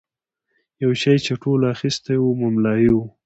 یو شی چې ټولو اخیستی و مملايي وه.